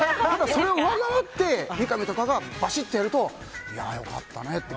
それを上回って三上とかがバシッとやるといや、良かったねって。